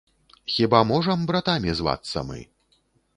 Хіба можам братамі звацца мы?